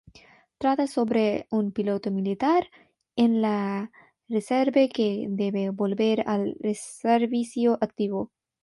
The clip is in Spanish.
Trata sobre un piloto militar en la reserva que debe volver al servicio activo.